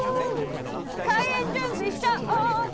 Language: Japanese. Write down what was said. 「開演準備しちゃおうか」